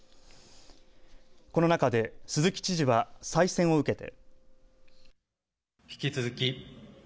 この中で鈴木知事は再選を受けて。